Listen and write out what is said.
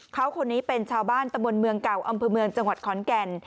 เขาคนนี้เป็นชาวบ้านตะบนเมืองเก่าอำเภอเมืองจังหวัดขอนแก่น